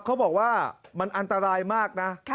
เขาบอกว่ามันอันตรายมากนะ